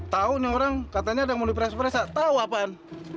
tau nih orang katanya ada yang mau dipres pres tak tau apaan